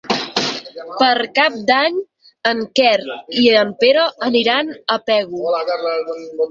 Per Cap d'Any en Quer i en Pere aniran a Pego.